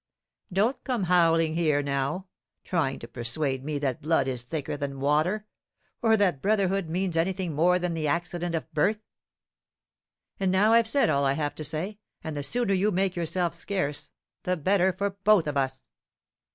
Don't come howling here now, trying to persuade me that blood is thicker than water, or that brotherhood means anything more than the accident of birth. And now I've said all I have to say; and the sooner you make yourself scarce, the better for both of us."